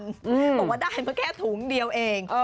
บอกว่าได้มาแค่ถุงเดียวเอง